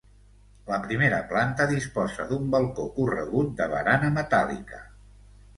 La primera planta disposa d'un balcó corregut de barana metàl·lica.